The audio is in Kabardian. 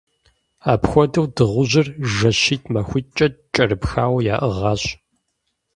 Апхуэдэу дыгъужьыр жэщитӏ-махуитӏкӏэ кӏэрыпхауэ яӏыгъащ.